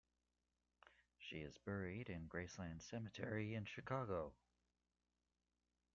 She is buried in Graceland Cemetery in Chicago.